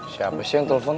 siapa sih yang telfon